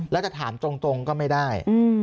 แล้วจะถามตรงก็ไม่ได้